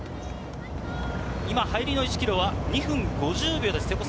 今、入りの１ｋｍは２分５０秒です。